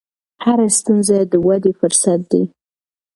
هره ستونزه د ودې فرصت دی.